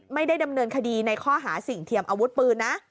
ไม่ได้ดำเนินคดีในข้อหาสิ่งเทียมอาวุธปืนนะ